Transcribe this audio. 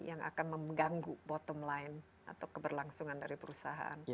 yang akan mengganggu bottom line atau keberlangsungan dari perusahaan